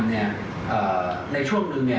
อื้อในช่วงนึง